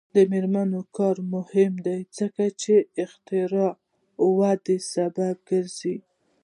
د میرمنو کار او تعلیم مهم دی ځکه چې اختراع ودې سبب دی.